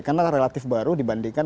karena relatif baru dibandingkan